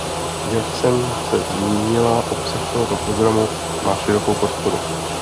Jak jsem se zmínila, obsah tohoto programu má širokou podporu.